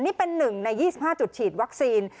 นี่เป็น๑ใน๒๕จุดฉีดวัคซีน